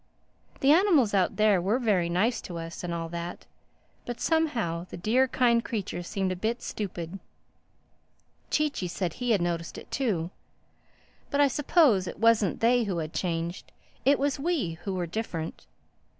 The animals out there were very nice to us and all that. But somehow the dear kind creatures seemed a bit stupid. Chee Chee said he had noticed it too. But I suppose it wasn't they who had changed; it was we who were different.